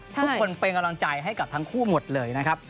ทุกคนเป็นกำลังใจให้กับทั้งคู่หมดเลยนะครับ